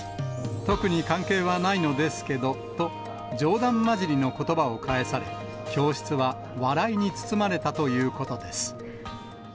特に関係はないのですけど、と冗談交じりのことばを返され、教室は笑いに包まれたということです。